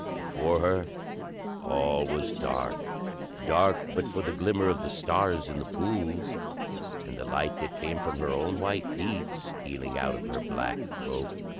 Before her all was dark dark but for the glimmer of the stars in the pools, and the light that came from her own white feet, stealing out of her black cloak.